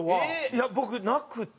いや僕なくて。